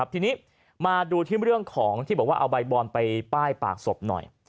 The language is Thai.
ทีนี้มาดูที่เรื่องของที่บอกว่าเอาใบบอลไปป้ายปากศพหน่อย